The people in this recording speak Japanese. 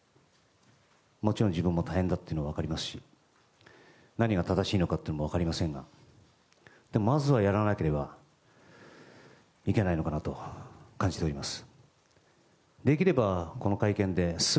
もちろん自分も大変だというのは分かりますし何が正しいのかというのも分かりませんがでもまずはやらなければいけないのかなと感じております。